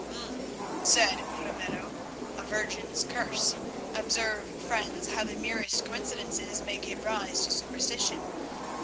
"Um!" said Ramiro, "'a virgin's curse.' Observe, friends, how the merest coincidences may give rise to superstition.